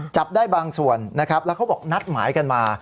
จับได้บางส่วนนะครับแล้วเขาบอกนัดหมายกันมา